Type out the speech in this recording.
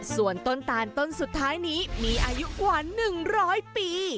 ส่วนต้นตาลต้นสุดท้ายนี้มีอายุกว่าหนึ่งร้อยปี